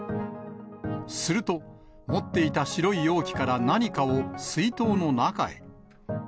すると、持っていた白い容器から何かを水筒の中へ。